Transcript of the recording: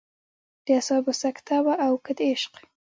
د اعصابو سکته وه او که د عشق.